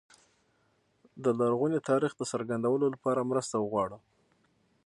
د لرغوني تاریخ د څرګندولو لپاره مرسته وغواړو.